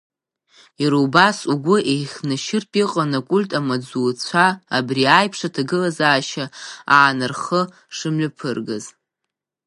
Иара убас, угәы еихьнашьыртә иҟан акульт амаҵзуҩцәа абри аиԥш аҭагылазаашьа аан рхы шымҩаԥыргаз.